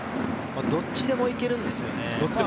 どっちでも行けるんですよね。